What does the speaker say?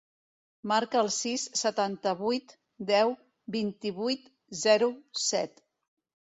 Marca el sis, setanta-vuit, deu, vint-i-vuit, zero, set.